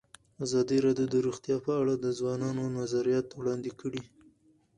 ازادي راډیو د روغتیا په اړه د ځوانانو نظریات وړاندې کړي.